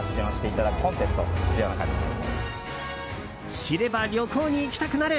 知れば旅行に行きたくなる。